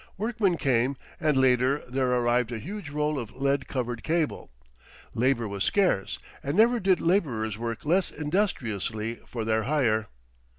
Workmen came, and later there arrived a huge roll of lead covered cable. Labour was scarce, and never did labourers work less industriously for their hire.